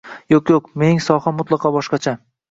Yoʻq-yoʻq. Mening soham mutlaqo boshqacha.